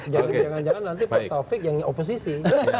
jangan jangan nanti pak taufik yang oposisi